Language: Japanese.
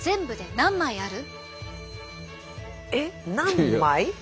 えっ何枚？